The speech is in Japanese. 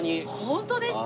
ホントですか？